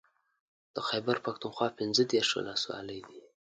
د خېبر پښتونخوا پنځه دېرش ولسوالۍ دي